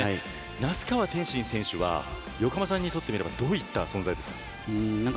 那須川天心選手は横浜さんにとってみればどういった存在ですか。